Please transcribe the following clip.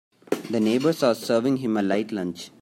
The neighbors are serving him a light lunch.